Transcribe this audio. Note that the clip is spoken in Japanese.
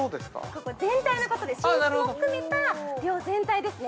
◆ここ全体のことで、寝室も含めた寮全体ですね。